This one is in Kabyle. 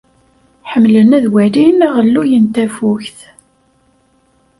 Ḥemmlen ad walin aɣelluy n tafukt.